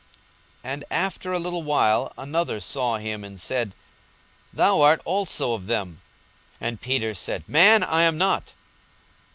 42:022:058 And after a little while another saw him, and said, Thou art also of them. And Peter said, Man, I am not.